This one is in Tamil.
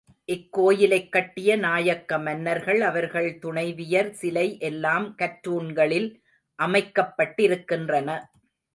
இக்கோயிலைக் கட்டிய நாயக்க மன்னர்கள், அவர்கள் துணைவியர் சிலை எல்லாம் கற்றூண்களில் அமைக்கப்பட்டிருக்கின்றன.